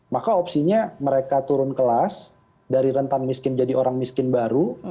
maka opsinya mereka turun kelas dari rentan miskin jadi orang miskin baru